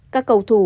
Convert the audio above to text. các cầu thủ